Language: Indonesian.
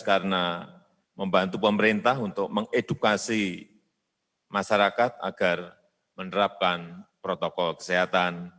karena membantu pemerintah untuk mengedukasi masyarakat agar menerapkan protokol kesehatan